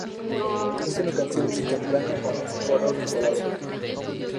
Es una canción mid-tempo con un coro volador.